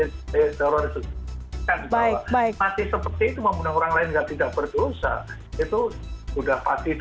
ya untuk mereka bukan surga